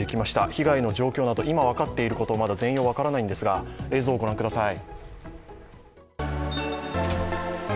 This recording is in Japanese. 被害の状況など今、分かっていること全容は分からないんですが映像をご覧ください。